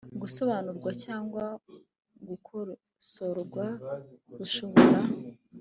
gusobanurwa cyangwa gukosorwa rushobora